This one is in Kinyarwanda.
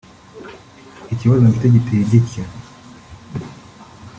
Ikibazo mfite giteye gitya